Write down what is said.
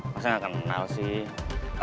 masa gak kenal sih